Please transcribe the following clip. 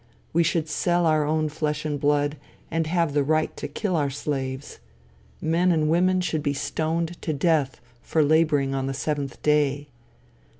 We should sell our own flesh and blood, and have the right to kill our slaves. Men and women should be stoned to death for laboring on the seventh day.